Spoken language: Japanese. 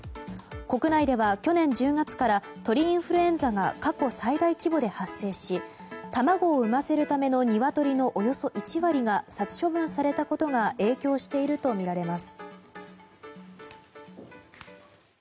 国内では去年１０月から鳥インフルエンザが過去最大規模で発生し卵を産ませるためのニワトリのおよそ１割が殺処分されたことが影響しているとみられます。